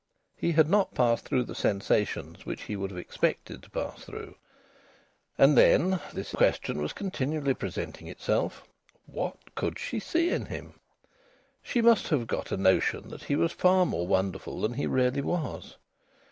He had not passed through the sensations which he would have expected to pass through. And then this question was continually presenting itself: What could she see in him? She must have got a notion that he was far more wonderful than he really was.